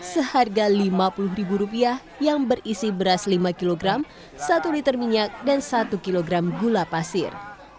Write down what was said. seharga rp lima puluh yang berisi beras lima kg satu liter minyak dan satu kg gula pasir